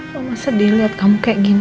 mama sedih liat kamu kayak gini